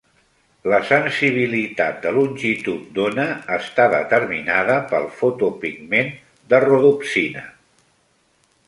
La sensibilitat de longitud d'ona està determinada pel fotopigment de rodopsina.